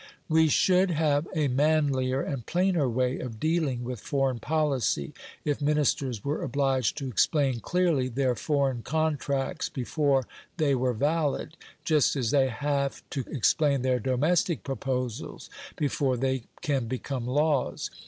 We should have a manlier and plainer way of dealing with foreign policy, if Ministers were obliged to explain clearly their foreign contracts before they were valid, just as they have to explain their domestic proposals before they can become laws.